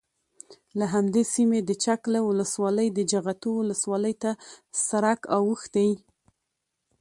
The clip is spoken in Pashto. له همدې سیمې د چک له ولسوالۍ د جغتو ولسوالۍ ته سرک اوښتی،